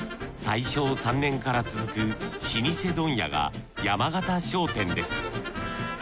大正３年から続く老舗問屋が山縣商店です。